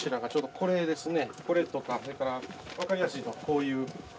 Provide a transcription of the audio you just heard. これとかそれから分かりやすいのはこういう柱穴。